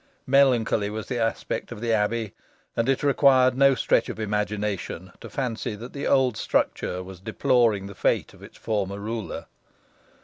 Melancholy was the aspect of the abbey, and it required no stretch of imagination to fancy that the old structure was deploring the fate of its former ruler.